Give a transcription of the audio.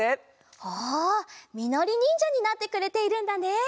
おおみのりにんじゃになってくれているんだね。